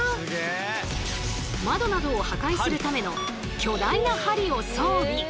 窓などを破壊するための巨大な針を装備。